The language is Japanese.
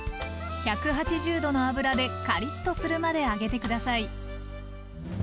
１８０℃の油でカリッとするまで揚げて下さい。